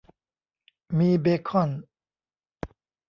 มีเบคอน